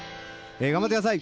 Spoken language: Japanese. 頑張って下さい。